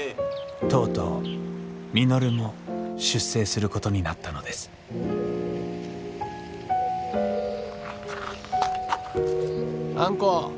とうとう稔も出征することになったのですあんこ。